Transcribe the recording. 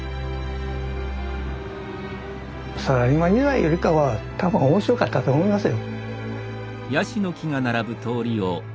サラリーマン時代よりかは多分面白かったと思いますよ。